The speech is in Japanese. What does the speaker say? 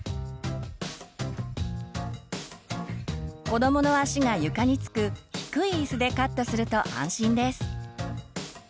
子どもの足が床につく低い椅子でカットすると安心です。